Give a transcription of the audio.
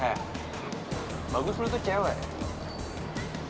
nah bagus lu tuh cewek